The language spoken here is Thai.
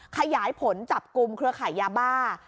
ขยายผลจับกลุ่มเครือขายยาบ้า